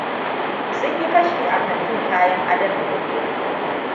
Sun yi fashi a kantin kayan adon da daddare.